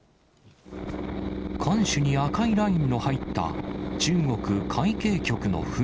艦首に赤いラインの入った、中国海警局の船。